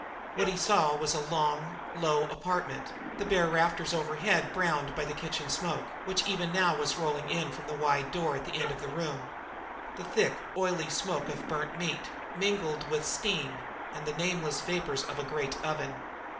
What he saw was a long, low apartment, the bare rafters overhead browned by the kitchen smoke, which even now was rolling in from the wide door at the end of the room the thick, oily smoke of burnt meat mingled with steam and the nameless vapours of a great oven.